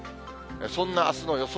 そんなあすの予想